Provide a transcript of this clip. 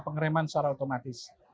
pengereman secara otomatis